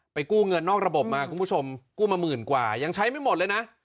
กู้เงินนอกระบบมาคุณผู้ชมกู้มาหมื่นกว่ายังใช้ไม่หมดเลยนะ